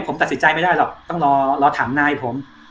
ผมตัดสินใจไม่ได้หรอกต้องรอถามนายผม